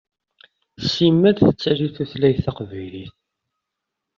Simmal tettali tutlayt taqbaylit.